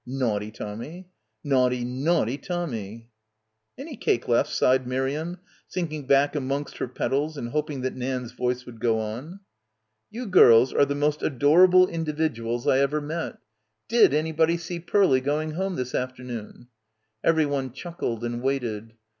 Naughty Tommy, naughty, naughty Tommy !" "Any cake left?" sighed Miriam, sinking back amongst her petals and hoping that Nan's voice would go on. "You girls are the most adorable individuals I ever met. ... Did anybody see Pearlie going home this afternoon?" Everyone chuckled and waited.